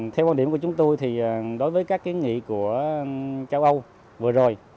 theo quan điểm của chúng tôi đối với các khuyến nghị của châu âu vừa rồi